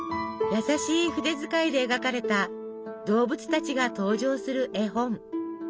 優しい筆遣いで描かれた動物たちが登場する絵本